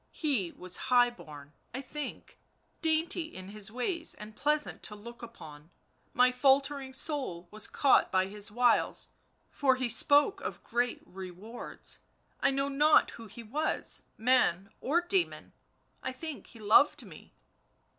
He was high born, I think, dainty in his ways and pleasant to look upon; my faltering soul was caught by his wiles, for he spoke of great rewards ; I know not who he was, man or demon. ... I think he loved me."